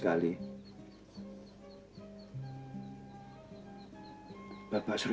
kampus baru aja nak nyapa di bala